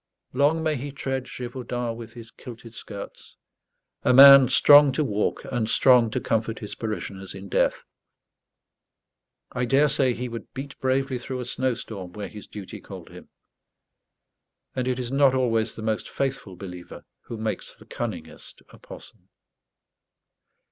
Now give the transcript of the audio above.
Long may he tread Gévaudan with his kilted skirts a man strong to walk and strong to comfort his parishioners in death! I daresay he would beat bravely through a snowstorm where his duty called him; and it is not always the most faithful believer who makes the cunningest apostle.